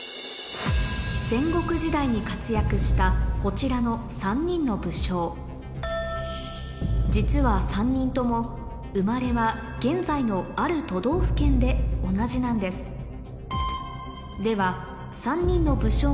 戦国時代に活躍したこちらの３人の武将実は３人とも生まれは現在のある都道府県でではそうですねまぁ。